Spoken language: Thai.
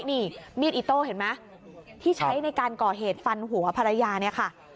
นี่มีดอิโต้เห็นไหมที่ใช้ในการก่อเหตุฟันหัวภรรยาเนี่ยค่ะ